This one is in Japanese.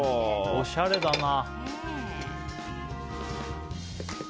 おしゃれだな。